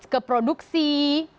ke produk safety